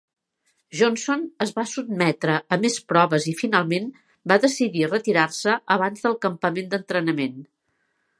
Johnson es va sotmetre a més proves i finalment va decidir retirar-se abans del campament d'entrenament.